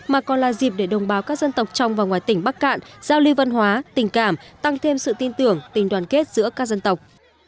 mà còn là dịp để đồng bào các dân tộc trong và ngoài tỉnh bắc cạn giao lưu văn hóa tình cảm tăng thêm sự tin tưởng tình đoàn kết giữa các dân tộc